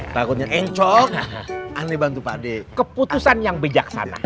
takutnya engcok aneh bantu pak dek keputusan yang bijaksana